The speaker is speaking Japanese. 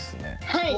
はい。